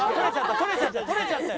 取れちゃったよ。